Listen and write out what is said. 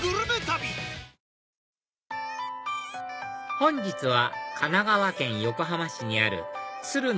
本日は神奈川県横浜市にある鶴見